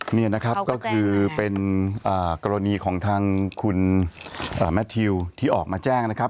นี่นะครับก็คือเป็นกรณีของทางคุณแมททิวที่ออกมาแจ้งนะครับ